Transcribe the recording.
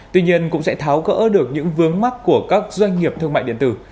tuy nhiên cũng sẽ tháo gỡ được những vướng mắt của các doanh nghiệp thương mại điện tử